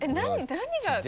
何が？